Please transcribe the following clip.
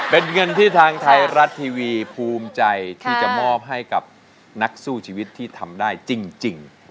เป็นเงินที่ทางไทยรัฐทีวีภูมิใจที่จะมอบให้กับนักสู้ชีวิตที่ทำได้จริง